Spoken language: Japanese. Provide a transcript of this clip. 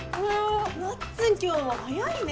なっつん今日も早いね。